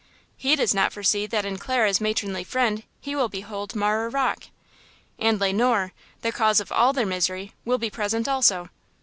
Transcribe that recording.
He does not foresee that in Clara's matronly friend he will behold Marah Rocke! And Le Noir, the cause of all their misery, will be present also!